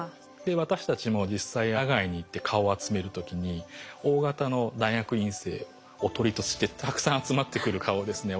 私たちも実際野外に行って蚊を集める時にＯ型の大学院生おとりとしてたくさん集まってくる蚊をですね